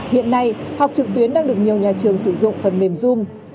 hiện nay học trực tuyến đang được nhiều nhà trường sử dụng phần mềm zoom